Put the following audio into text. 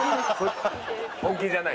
本気じゃない。